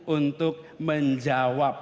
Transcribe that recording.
untuk menjawab keinginan warga jakarta